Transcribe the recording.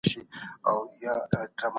اقتصادي تعاون ټولنه پیاوړې کوي.